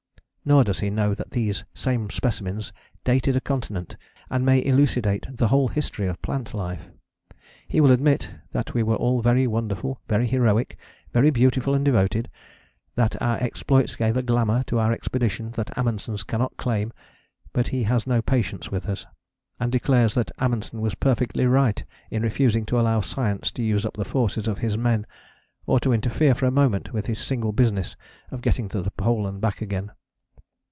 Nor does he know that these same specimens dated a continent and may elucidate the whole history of plant life. He will admit that we were all very wonderful, very heroic, very beautiful and devoted: that our exploits gave a glamour to our expedition that Amundsen's cannot claim; but he has no patience with us, and declares that Amundsen was perfectly right in refusing to allow science to use up the forces of his men, or to interfere for a moment with his single business of getting to the Pole and back again.